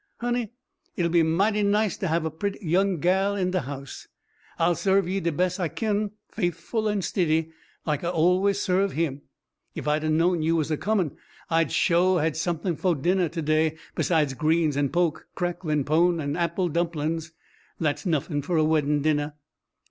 "Honey, it'll be mighty nice to have a pret' young gal in de house. I'll serve you de bes' I kin, faithful an' stiddy, like I always serve him. Ef I'd 'a' known you was a comin' I'd sho' had somethin' fo' dinneh to day besides greens an' po'k, cracklin' pone an' apple dumplin's. That's nuffin' fo' a weddin' dinneh."